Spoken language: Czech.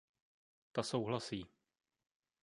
Ta souhlasí.